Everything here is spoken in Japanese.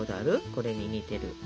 これに似てる。